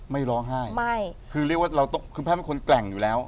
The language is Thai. ไม่ร้องไห้ไม่คือเรียกว่าเราต้องคือแพทย์เป็นคนแกร่งอยู่แล้ว